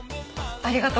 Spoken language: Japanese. ありがとう。